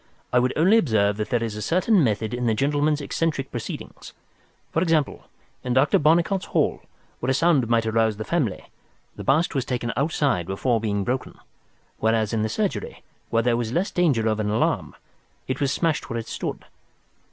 I would only observe that there is a certain method in the gentleman's eccentric proceedings. For example, in Dr. Barnicot's hall, where a sound might arouse the family, the bust was taken outside before being broken, whereas in the surgery, where there was less danger of an alarm, it was smashed where it stood.